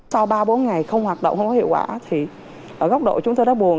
sau ba bốn ngày không hoạt động không có hiệu quả thì ở góc độ chúng tôi đã buồn